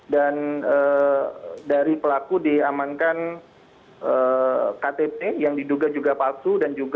dan dari pelaku diamankan ktp yang diduga juga palsu